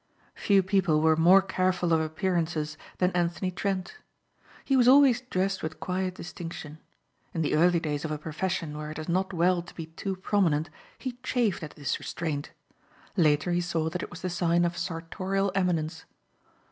Few people were more careful of appearances than Anthony Trent. He was always dressed with quiet distinction. In the early days of a profession where it is not well to be too prominent, he chafed at this restraint. Later he saw that it was the sign of sartorial eminence.